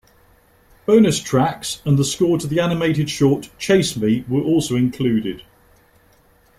Bonus tracks and the score to the animated short "Chase Me" were also included.